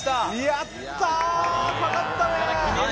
やったかかったね。